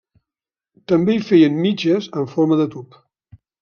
També hi feien mitges amb forma de tub.